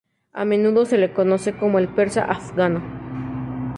A menudo se lo conoce como el "Persa afgano".